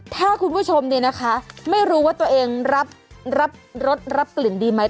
ถ้าคุณผู้ชมเนี่ยนะคะไม่รู้ว่าตัวเองรับรสรับกลิ่นดีไหม